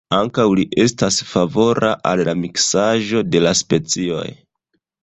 Ankaŭ li estas favora al la miksaĵo de la specioj.